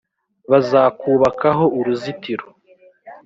bazakubakaho uruzitiro